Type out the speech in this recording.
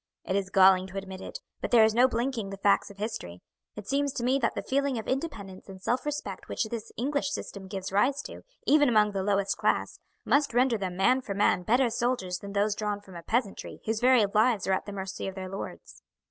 It is galling to admit it, but there is no blinking the facts of history. It seems to me that the feeling of independence and self respect which this English system gives rise to, even among the lowest class, must render them man for man better soldiers than those drawn from a peasantry whose very lives are at the mercy of their lords."